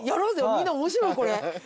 みんな面白いこれ。